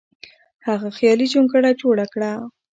هغه خیالي جونګړه جوړه کړه.